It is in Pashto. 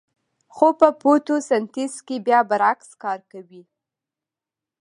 خو په فتوسنتیز کې بیا برعکس کار کوي